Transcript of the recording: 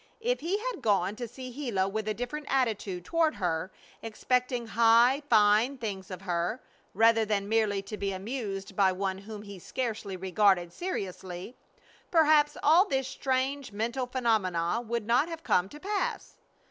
If he had gone to see Gila with a different attitude toward her, expecting high, fine things of her, rather than merely to be amused by one whom he scarcely regarded seriously, perhaps all this strange mental phenomena would not have come to pass.